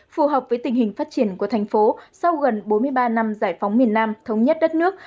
phù hợp với tình hình phát triển của thành phố sau gần bốn mươi ba năm giải phóng miền nam thống nhất đất nước